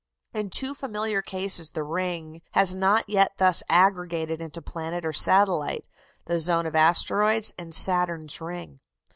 In two familiar cases the ring has not yet thus aggregated into planet or satellite the zone of asteroids, and Saturn's ring.